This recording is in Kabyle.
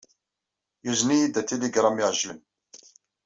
Yuzen-iyi-d atiligram iɛeǧlen.